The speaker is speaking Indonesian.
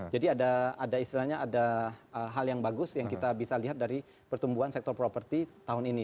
jadi ada istilahnya ada hal yang bagus yang kita bisa lihat dari pertumbuhan sektor properti tahun ini